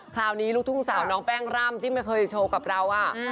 คราวนี้ลูกทุ่งสาวน้องแป้งร่ำที่เคยโชว์กับเราอะ